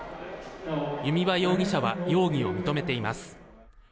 弓場容疑者は容疑を認めています。